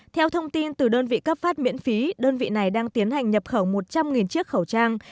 theo thông tin từ đơn vị cấp phát miễn phí đơn vị này đang tiến hành nhập khẩu một trăm linh chiếc khẩu trang